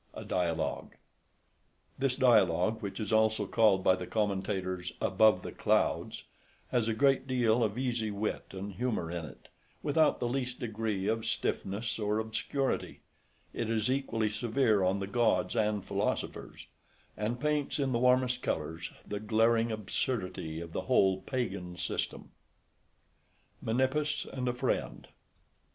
A DIALOGUE. This Dialogue, which is also called by the commentators [Greek], or, "Above the Clouds," has a great deal of easy wit and humour in it, without the least degree of stiffness or obscurity; it is equally severe on the gods and philosophers; and paints, in the warmest colours, the glaring absurdity of the whole pagan system. MENIPPUS AND A FRIEND.